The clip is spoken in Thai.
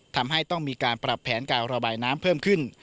ทำให้ต้องมีการปรับแผนการระบายน้ำเพิ่มขึ้น